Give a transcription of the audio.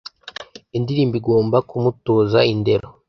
indirimbo igomba kumutoza indero